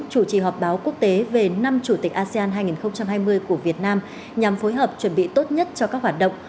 chủ trì họp báo quốc tế về năm chủ tịch asean hai nghìn hai mươi của việt nam nhằm phối hợp chuẩn bị tốt nhất cho các hoạt động